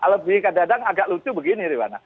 lebih kadang kadang agak lucu begini riwana